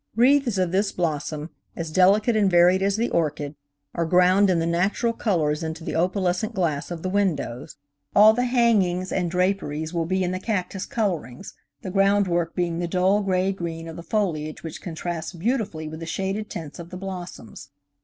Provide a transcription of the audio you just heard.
Wreaths of this blossom, as delicate and varied as the orchid, are ground in the natural colors into the opalescent glass of the windows. All the hangings and draperies will be in the cactus colorings, the groundwork being the dull, gray green of the foliage which contrasts beautifully with the shaded tints of the blossoms.